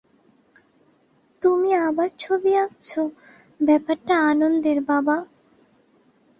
তুমি আবার ছবি আঁকছো ব্যাপারটা আনন্দের, বাবা।